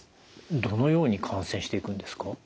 どのように感染していくんですか？